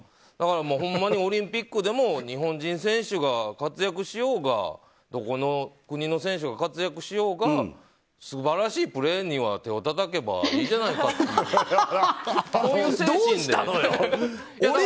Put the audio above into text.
だからほんまにオリンピックでも日本人選手が活躍しようがどこの国の選手が活躍しようが素晴らしいプレーには手をたたけばどうしたのよ？